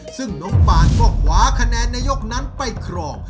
ซึ่งน้องปานก็ขวาคะแนนในยกนั้นไปครอง